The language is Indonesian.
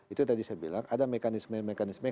itu tadi saya bilang ada mekanisme mekanisme